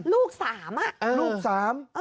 ลูกสาม